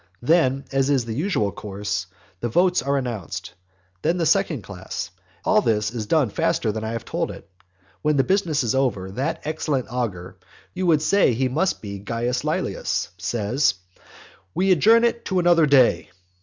Then, as is the usual course, the votes are announced. Then the second class. And all this is done faster than I have told it. When the business is over, that excellent augur (you would say he must be Caius Laelius,) says, "We adjourn it to another day."